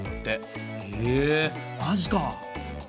へえマジか！